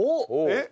えっ？